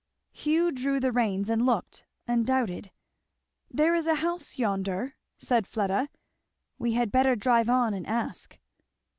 Hugh drew the reins, and looked, and doubted. "There is a house yonder," said Fleda, "we had better drive on and ask."